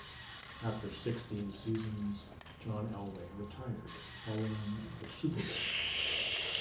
After sixteen seasons, John Elway retired following the Super Bowl.